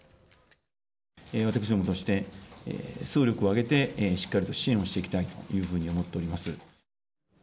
私どもとして、総力を挙げてしっかりと支援をしていきたいというふうに思っております。